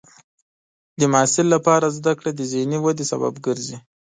د محصل لپاره زده کړه د ذهني ودې سبب ګرځي.